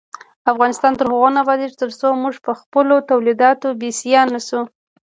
افغانستان تر هغو نه ابادیږي، ترڅو موږ پخپلو تولیداتو بسیا نشو.